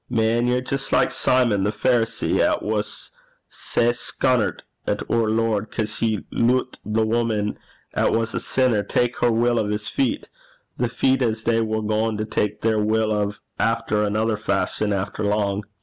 Man, ye're jist like Simon the Pharisee, 'at was sae scunnert at oor Lord 'cause he loot the wuman 'at was a sinner tak her wull o' 's feet the feet 'at they war gaein' to tak their wull o' efter anither fashion afore lang.